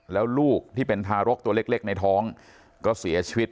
แล้วลูกที่เป็นทารกตัวเล็กในท้องก็เสียชีวิต